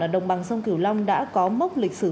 ở đồng bằng sông cửu long đã có mốc lịch sử